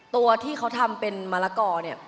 ตัวที่เขาทำเป็นมะละกอเนี่ย